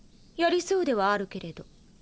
やりそうではあるけれど。